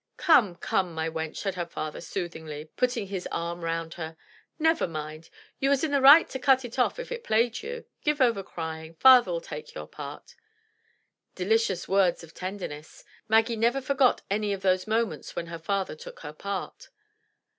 "Come, come, my wench,'' said her father soothingly putting his arm round her, "never mind; you was i' the right to cut it off if it plagued you; give over crying; father'U take your part." Delicious words of tenderness! Maggie never forgot any of these moments when her father "took her part."